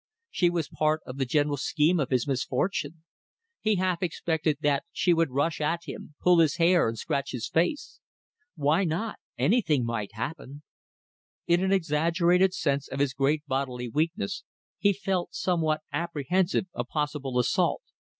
She was part of the general scheme of his misfortune. He half expected that she would rush at him, pull his hair, and scratch his face. Why not? Anything might happen! In an exaggerated sense of his great bodily weakness he felt somewhat apprehensive of possible assault.